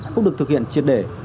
không được thực hiện triệt để